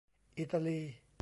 อิตาลี